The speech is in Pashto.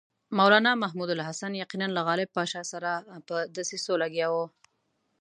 مولنا محمود الحسن یقیناً له غالب پاشا سره په دسیسو لګیا وو.